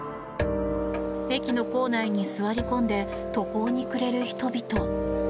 駅の構内に座り込んで途方に暮れる人々。